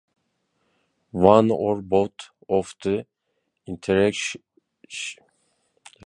One or both of the interacting species may have excess internal energy.